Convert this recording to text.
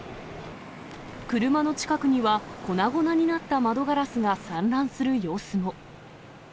車の近くには、粉々になった窓ガラスが散乱する様子も。